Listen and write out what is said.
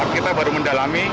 kita baru mendalami